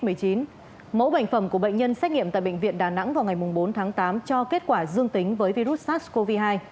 mẫu bệnh phẩm của bệnh nhân xét nghiệm tại bệnh viện đà nẵng vào ngày bốn tháng tám cho kết quả dương tính với virus sars cov hai